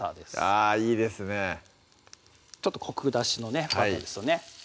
あぁいいですねちょっとコク出しのねバターですよね